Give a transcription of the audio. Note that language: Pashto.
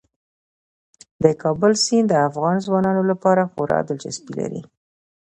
د کابل سیند د افغان ځوانانو لپاره خورا دلچسپي لري.